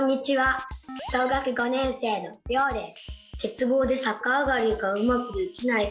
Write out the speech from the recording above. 小学５年生のりょうです。